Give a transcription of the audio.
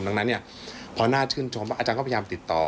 ดังนั้นพอน่าชื่นชมอาจารย์ก็พยายามติดต่อ